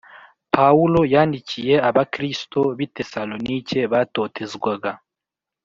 Pawulo yandikiye Abakristo b’i Tesalonike batotezwaga